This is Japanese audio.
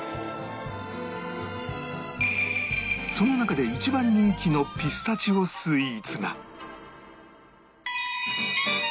その中で一番人気のピスタチオスイーツが